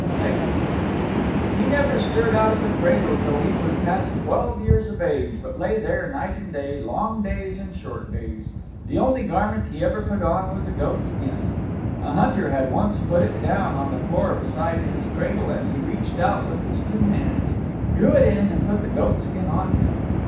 VI He never stirred out of the cradle till he was past twelve years of age, but lay there night and day, long days and short days; the only garment he ever put on was a goatskin; a hunter had once put it down on the floor beside his cradle and he reached out with his two hands, drew it in and put the goatskin on him.